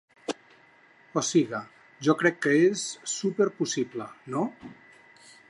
O siga, jo crec que és... súper possible, no?